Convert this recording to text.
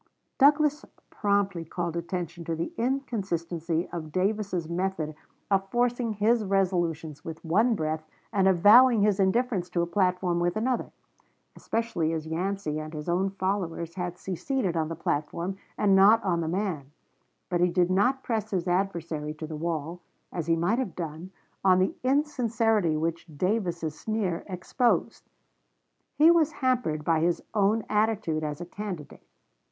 Douglas promptly called attention to the inconsistency of Davis's method of forcing his resolutions with one breath and avowing his indifference to a platform with another, especially as Yancey and his own followers had seceded on the platform and not on the man; but he did not press his adversary to the wall, as he might have done, on the insincerity which Davis's sneer exposed. He was hampered by his own attitude as a candidate.